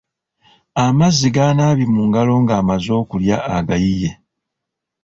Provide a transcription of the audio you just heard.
Amazzi g’anaabye mu ngalo nga amaze okulya agayiye.